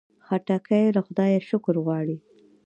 خټکی له خدایه شکر غواړي.